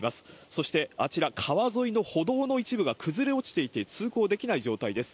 そして、あちら、川沿いの歩道の一部が崩れ落ちていて、通行できない状態です。